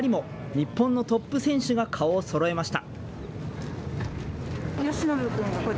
日本のトップ選手が顔をそろえました。